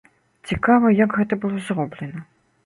Цікава, як гэта было зроблена.